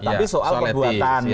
tapi soal perbuatan etis